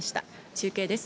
中継です。